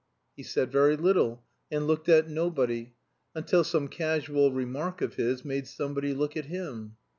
He said very little, and looked at nobody, until some casual remark of his made somebody look at him.